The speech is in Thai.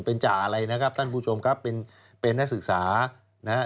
เป็นจ่าอะไรนะครับท่านผู้ชมครับเป็นเป็นนักศึกษานะฮะ